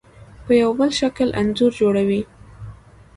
په یو بل شکل انځور جوړوي.